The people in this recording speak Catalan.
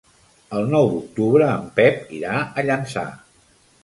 El nou d'octubre en Pep irà a Llançà.